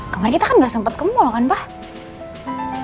kemarin kita kan gak sempet ke mall kan pak